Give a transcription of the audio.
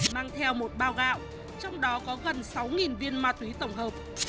mang theo một bao gạo trong đó có gần sáu viên ma túy tổng hợp